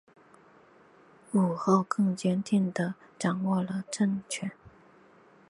武后更坚定地掌握了政权。